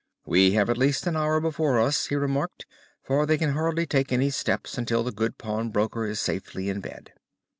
"We have at least an hour before us," he remarked, "for they can hardly take any steps until the good pawnbroker is safely in bed.